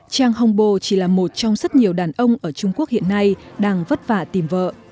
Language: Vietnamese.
chang hongbo chỉ là một trong rất nhiều đàn ông ở trung quốc hiện nay đang vất vả tìm vợ